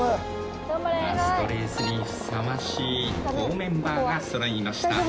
ラストレースにふさわしい好メンバーが揃いました。